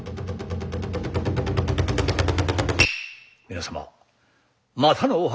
皆様またのお運び